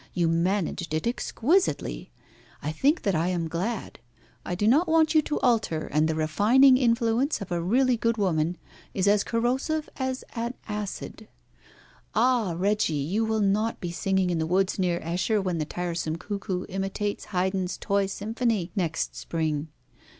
You managed it exquisitely. I think that I am glad. I do not want you to alter, and the refining influence of a really good woman is as corrosive as an acid. Ah, Reggie, you will not be singing in the woods near Esher when the tiresome cuckoo imitates Haydn's toy symphony next spring!